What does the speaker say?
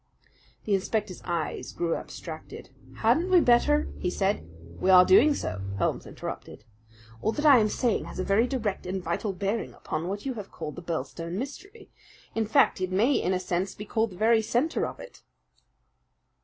The inspector's eyes grew abstracted. "Hadn't we better " he said. "We are doing so," Holmes interrupted. "All that I am saying has a very direct and vital bearing upon what you have called the Birlstone Mystery. In fact, it may in a sense be called the very centre of it."